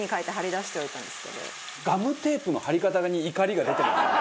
ガムテープの貼り方に怒りが出てますよね。